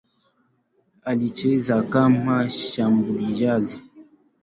Alicheza kama mshambuliaji.